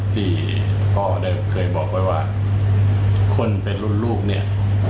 ที่พ่อได้เคยบอกไว้ว่าคนเป็นรุ่นลูกเนี่ย